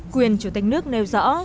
quyền chủ tịch nước nêu rõ